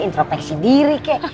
introspeksi diri kek